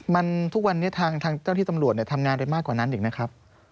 มันทุกวันนี้ทางเจ้าที่ตำรวจทำงานไปมากกว่านั้นอีกนะครับ